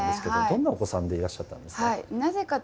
どんなお子さんでいらっしゃったんですか？